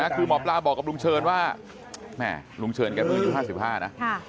คือหมอปลาบอกกับลุงเชิญว่าลุงเชิญแก่มืออยู่๕๕นะ